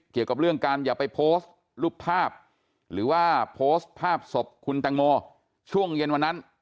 เกี่ยวกับเรื่องการอย่าไปโพสต์รูปภาพหรือว่าโพสต์ภาพศพคุณแตงโมช่วงเย็นวันนั้น